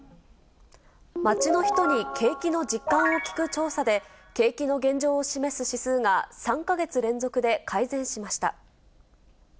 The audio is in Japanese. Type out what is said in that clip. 街の人に景気の実感を聞く調査で、景気の現状を示す指数が３か月連続で改善しました。